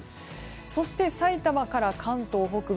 そして埼玉から関東北部。